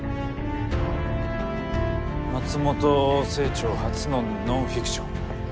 松本清張初のノンフィクション。